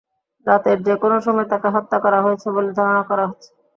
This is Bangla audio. রাতের যেকোনো সময় তাঁকে হত্যা করা হয়েছে বলে ধারণা করা হচ্ছে।